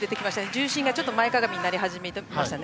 重心がちょっと前かがみになってきました。